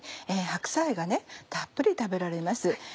白菜がたっぷり食べられます。